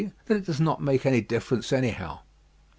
That it does not make any difference anyhow.